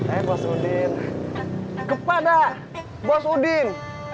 saya bos udin kepada bos udin